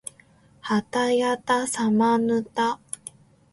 はたやたさまぬた